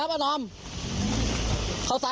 ด้วยน้องข้อสุด